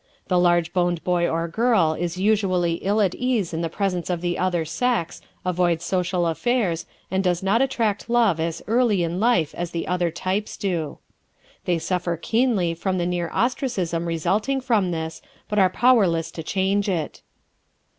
The large boned boy or girl is usually ill at ease in the presence of the other sex, avoids social affairs, and does not attract love as early in life as other types do. They suffer keenly from the near ostracism resulting from this, but are powerless to change it.